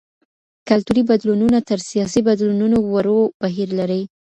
کلتوري بدلونونه تر سياسي بدلونونو ورو بهير لري.